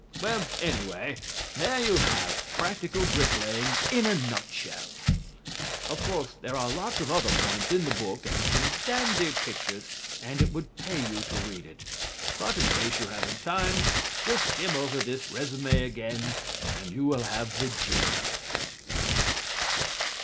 Well, anyway, there you have practical bricklaying in a nutshell. Of course there are lots of other points in the book and some dandy pictures and it would pay you to read it. But in case you haven't time, just skim over this résumé again and you will have the gist of it.